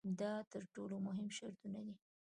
دا تر ټولو مهم شرطونه دي.